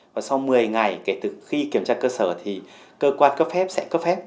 và sau một mươi ngày kể từ khi kiểm tra cơ sở thì cơ quan cấp phép sẽ cấp phép